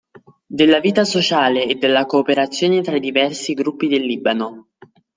Della vita sociale e della cooperazione tra i diversi gruppi del Libano.